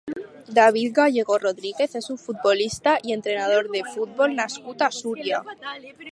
David Gallego Rodríguez és un futbolista i entrenador de futbol nascut a Súria.